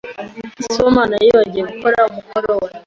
Sibomana yibagiwe gukora umukoro we.